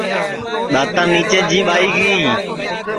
دؔاتا نیچے جیٻ آئی گی